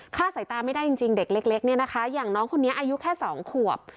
สายตาไม่ได้จริงเด็กเล็กเนี่ยนะคะอย่างน้องคนนี้อายุแค่๒ขวบ